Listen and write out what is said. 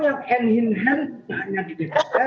yang hand in hand